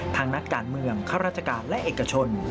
นักการเมืองข้าราชการและเอกชน